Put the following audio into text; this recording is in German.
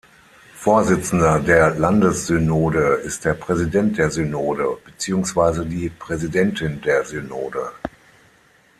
Vorsitzender der Landessynode ist der "Präsident der Synode" beziehungsweise die "Präsidentin der Synode".